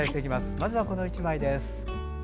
まずはこの１枚です。